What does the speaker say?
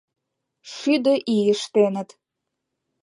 Шӱдӧ ий ыштеныт...